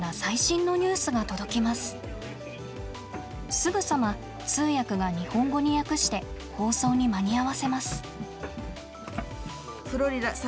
すぐさま通訳が日本語に訳して放送に間に合わせます。